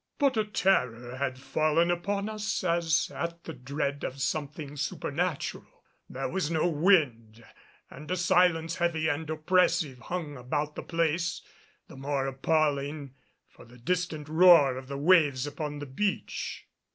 But a terror had fallen upon us as at the dread of something supernatural. There was no wind and a silence heavy and oppressive hung about the place, the more appalling for the distant roar of the waves upon the beach.